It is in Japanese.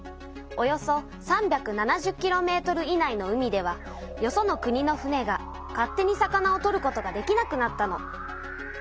およそ３７０ｋｍ以内の海ではよその国の船が勝手に魚を取ることができなくなったの。